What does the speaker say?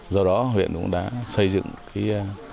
do đó huyện cũng đã xây dựng cái